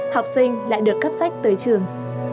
học sinh lại được cấp sách tới trường